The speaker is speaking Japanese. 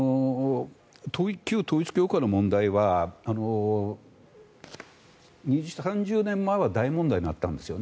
旧統一教会の問題は２０３０年前は大問題になったんです。